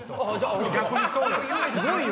逆にそうよ